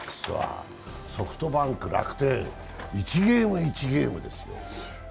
ソフトバンク、楽天、１ゲーム、１ゲームですよ。